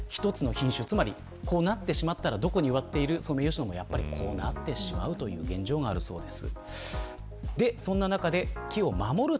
つまりこうなってしまったらどこに植わっているソメイヨシノもこうなってしまう現状があるそうです。